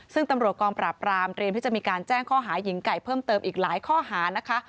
ซึ่งตำรวจกองปราบรามเตรียมที่จะมีการแจ้งข้อหาหญิงไก่เพิ่มเติมอีกหลายข้อหานะคะ